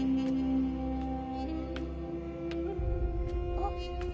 あっ。